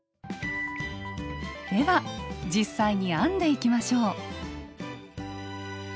では実際に編んでいきましょう。